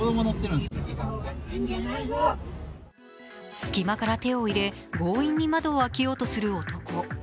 すき間から手を入れ、強引に窓をを開けようとする男。